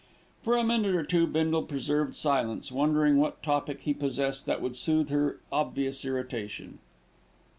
For a minute or two Bindle preserved silence, wondering what topic he possessed that would soothe her obvious irritation.